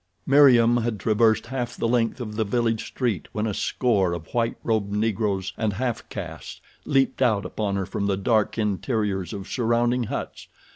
Meriem had traversed half the length of the village street when a score of white robed Negroes and half castes leaped out upon her from the dark interiors of surrounding huts.